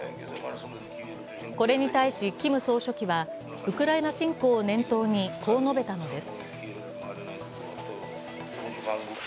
これに対しキム総書記は、ウクライナ侵攻を念頭にこう述べたのです。